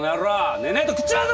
寝ねえと食っちまうぞ！